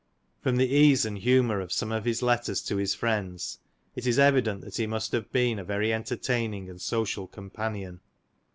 From the ease and humour of some of his letters to his friends, it is evident that he must have been a very entertaining and social companion.